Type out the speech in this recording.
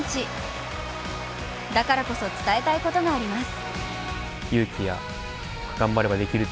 だからこそ伝えたいことがあります。